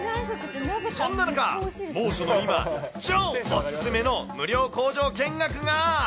そんな中、猛暑の今、超お勧めの無料工場見学が。